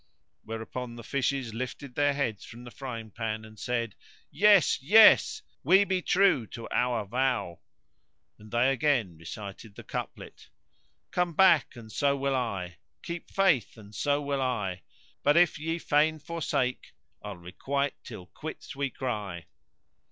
whereupon the fishes lifted their heads from the frying pan and said, "Yes! Yes ! we be true to our vow;" and they again recited the couplet: Come back and so will I! Keep faith and so will I! * But if ye fain forsake, I'll requite till quits we cry!